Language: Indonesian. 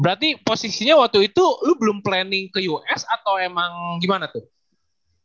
berarti posisinya waktu itu lu belum planning ke us atau emang gimana tuh